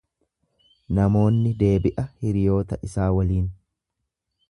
Namoonni deebi'a hiriyoota isaa waliin.